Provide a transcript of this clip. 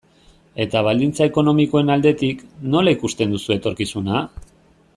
Eta baldintza ekonomikoen aldetik, nola ikusten duzu etorkizuna?